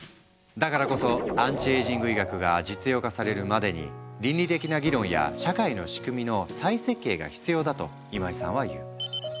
だからこそアンチエイジング医学が実用化されるまでに倫理的な議論や社会の仕組みの再設計が必要だと今井さんは言う。